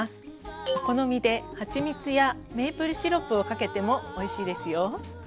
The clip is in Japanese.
お好みではちみつやメープルシロップをかけてもおいしいですよ。